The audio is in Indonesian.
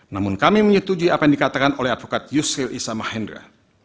namun kami menyetujui apa yang dikatakan oleh advokat yusri issam mahendra